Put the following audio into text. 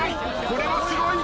これはすごい。